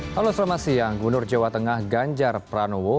halo selamat siang gubernur jawa tengah ganjar pranowo